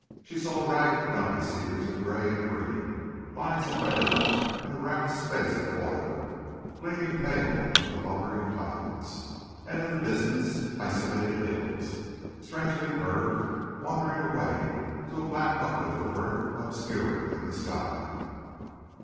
She saw ragged dumpy cedars of gray and green, lines of red earth, and a round space of water, gleaming pale under the lowering clouds; and in the distance isolated hills, strangely curved, wandering away to a black uplift of earth obscured in the sky.